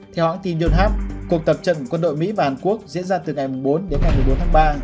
theo hãng tin yonhap cuộc tập trận quân đội mỹ và hàn quốc diễn ra từ ngày bốn đến ngày một mươi bốn tháng ba